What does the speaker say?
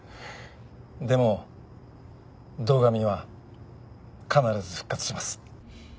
でも堂上は必ず復活します。